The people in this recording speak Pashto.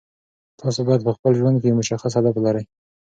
تاسو باید په خپل ژوند کې یو مشخص هدف ولرئ.